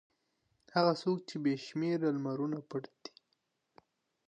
هغه څوک چې په بې شمېره لمرونو پټ دی.